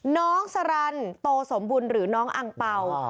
น้องสรรโตสมบุญหรือน้องอังเป่า